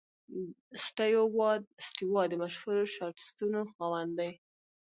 سټیو وا د مشهور شاټسونو خاوند دئ.